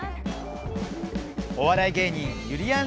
お笑い芸人ゆりやん